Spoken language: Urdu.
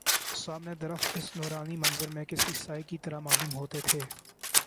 سامنے درخت اس نورانی منظر میں کسی سائے کی طرح معلوم ہوتے تھے